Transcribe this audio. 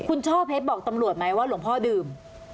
คุณช่อเพชรบอกตำรวจไหมว่าหลวงพ่อดื่ม